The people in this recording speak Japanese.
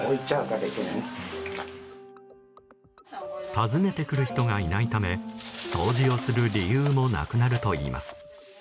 訪ねてくる人がいないため掃除をする理由もなくなるといいます。